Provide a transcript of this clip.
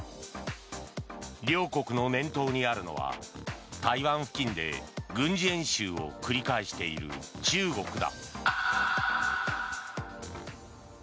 両国の念頭にあるのは台湾付近で軍事演習を繰り返している中国だ。